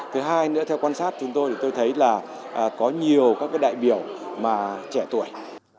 thứ hai nữa theo quan sát chúng tôi thì tôi thấy là có nhiều các đại biểu mà trẻ tuổi